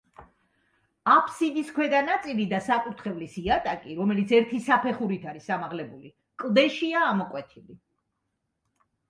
აფსიდის ქვედა ნაწილი და საკურთხევლის იატაკი, რომელიც ერთი საფეხურით არის ამაღლებული, კლდეშია ამოკვეთილი.